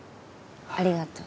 ありがとう。